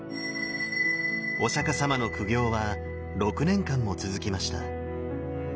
お釈様の苦行は６年間も続きました。